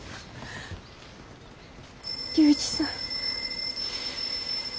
龍一さん。